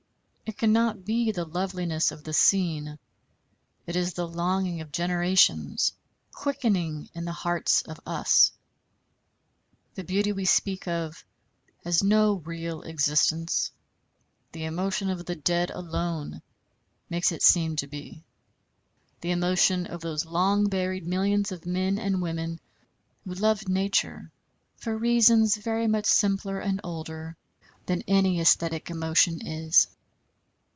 It cannot be the loveliness of the scene; it is the longing of generations quickening in the hearts of us. The beauty we speak of has no real existence: the emotion of the dead alone makes it seem to be, the emotion of those long buried millions of men and women who loved Nature for reasons very much simpler and older than any æsthetic emotion is.